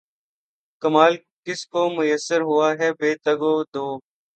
کمال کس کو میسر ہوا ہے بے تگ و دو